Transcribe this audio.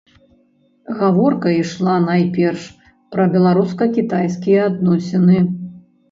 Гаворка ішла найперш пра беларуска-кітайскія адносіны.